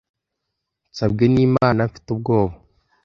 nsabwe n'imana mfite ubwoba